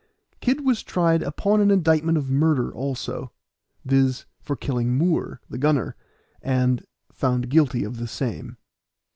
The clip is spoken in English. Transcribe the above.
Kid was tried upon an indictment of murder also viz., for killing Moor, the gunner and found guilty of the same.